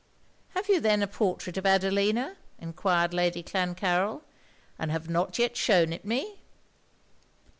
'Have you then a portrait of Adelina,' enquired Lady Clancarryl, 'and have not yet shewn it me?'